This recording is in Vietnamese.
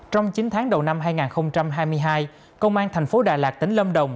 trong chín tháng đầu năm hai nghìn hai mươi hai công an thành phố đà lạt tỉnh lâm đồng